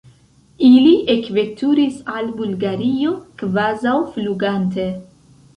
Ili ekveturis al Bulgario kvazaŭ flugante.